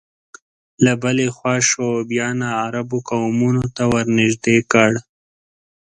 له بلې خوا شعوبیه ناعربو قومونو ته ورنژدې کړ